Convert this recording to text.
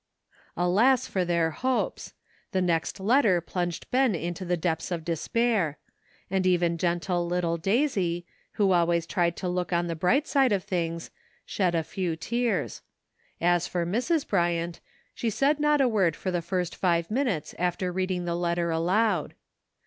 Alas for their hopes! the next letter plunged Ben into the depths of despair ; and even gen tle little Daisy, who always tried to look on the bright side of things, shed a few tears ; as for Mrs. Bryant, she said not a word for the first five minutes after reading the letter aloud.